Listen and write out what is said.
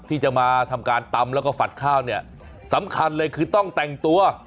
ที่จะมาทำการตำแล้วก็ฝัดข้าวเนี่ยสำคัญเลยคือต้องแต่งตัว